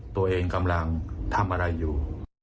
ตัวเองกำลังทำอะไรอยู่